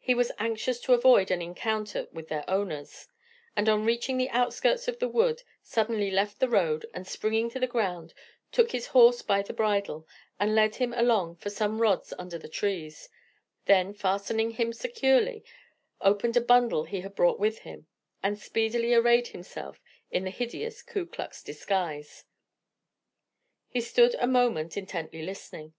He was anxious to avoid an encounter with their owners, and on reaching the outskirts of the wood, suddenly left the road, and springing to the ground, took his horse by the bridle, and led him along for some rods under the trees; then fastening him securely, opened a bundle he had brought with him, and speedily arrayed himself in the hideous Ku Klux disguise. He stood a moment intently listening.